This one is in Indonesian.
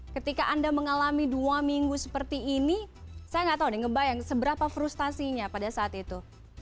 ketika anda mengalami dua minggu seperti ini saya nggak tahu nih ngebayang seberapa frustasinya pada saat itu